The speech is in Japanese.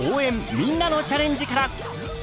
みんなのチャレンジ」から。